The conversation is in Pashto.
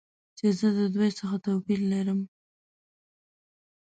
چې زه د دوی څخه توپیر لرم.